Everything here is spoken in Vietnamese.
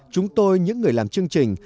chúng tôi những người làm chương trình